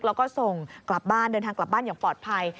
แล้วก็ส่งกลับบ้านเดินทางกลับบ้านอย่างปลอดภัย